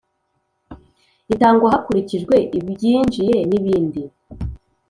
Itangwa hakurikijwe ibyinjiye n ibindi